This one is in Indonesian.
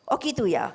oh gitu ya